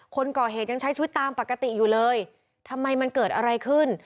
คนก่อเหตุยังใช้ชีวิตตามปกติอยู่เลยทำไมมันเกิดอะไรขึ้น